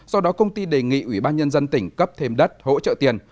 do đó công ty đề nghị ủy ban nhân dân tỉnh cấp thêm đất hỗ trợ tiền